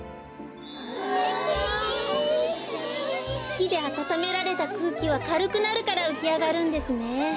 ひであたためられたくうきはかるくなるからうきあがるんですね。